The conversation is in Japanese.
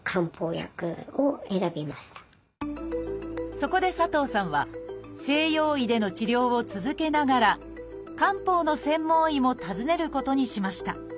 そこで佐藤さんは西洋医での治療を続けながら漢方の専門医も訪ねることにしました。